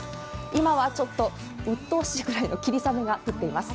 今はちょっとうっとうしいくらいの霧雨が降っています。